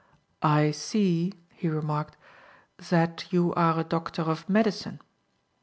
"I see," he remarked, "zat you are a doctor of medicine.